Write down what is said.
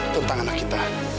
tentang anak kita